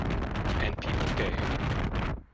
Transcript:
And people gave.